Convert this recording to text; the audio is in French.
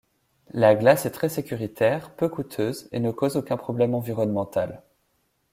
La glace est très sécuritaire, peu coûteuse et ne cause aucun problème environnemental.